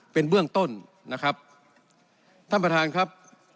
เป็นเบื้องต้นนะครับท่านประธานครับ